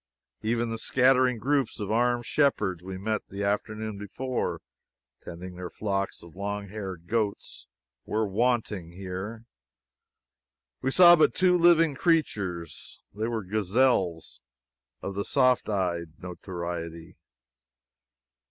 Even the scattering groups of armed shepherds we met the afternoon before, tending their flocks of long haired goats, were wanting here. We saw but two living creatures. They were gazelles, of "soft eyed" notoriety.